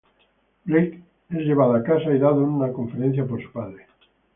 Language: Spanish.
Blake es llevado a casa y dado una conferencia por su padre.